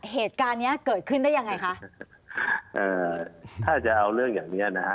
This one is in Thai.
เหตุการณ์เนี้ยเกิดขึ้นได้ยังไงคะเอ่อถ้าจะเอาเรื่องอย่างเนี้ยนะฮะ